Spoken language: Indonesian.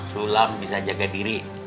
sulam bisa jaga diri